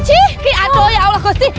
ini ada ya allah kusih